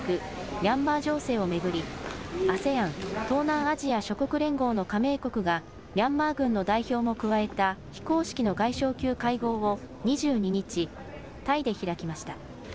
ミャンマー情勢を巡りＡＳＥＡＮ・東南アジア諸国連合の加盟国がミャンマー軍の代表も加えた非公式の外相級会合を２２日、タイで開きました。